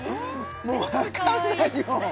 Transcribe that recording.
もうわかんないよ！